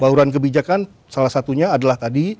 bauran kebijakan salah satunya adalah tadi